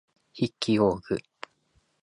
筆記用具